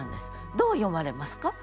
どう読まれますか？